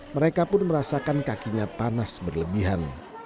mereka pun merasakan kakinya panas berlebihan